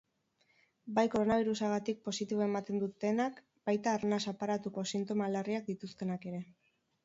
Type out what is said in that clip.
Bai koronabirusagatik positibo ematen dutenak baita arnas aparatuko sintoma larriak dituztenak ere.